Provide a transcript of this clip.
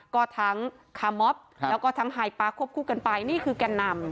ก่อทั้งคาร์มอบแล้วก็ทั้งฮายปลาครบคู่กันไปนี่คือกันนำ